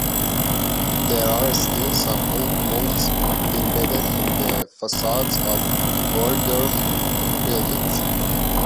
There are still some old molds embedded in the facades of Ohrdruf buildings.